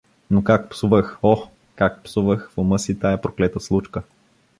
Но как псувах, о, как псувах в ума си тая проклета случка.